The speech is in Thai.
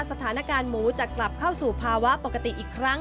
สถานการณ์หมูจะกลับเข้าสู่ภาวะปกติอีกครั้ง